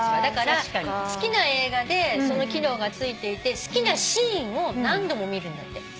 だから好きな映画でその機能がついていて好きなシーンを何度も見るんだって。